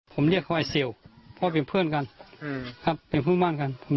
ผมเรียกเขาไอ้เซียวพ่อเป็นเพื่อนกันเป็นเพื่อนบ้านกัน